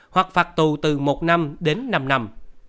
hoặc phạt tù từ một năm đến năm năm